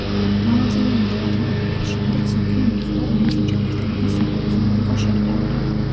მრავალწლიანი ავადმყოფობის შემდეგ, სოფია მიხვდა, რომ მისი ჯანმრთელობა სერიოზულად იყო შერყეული.